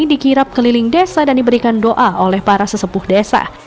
dikirap keliling desa dan diberikan doa oleh para sesepuh desa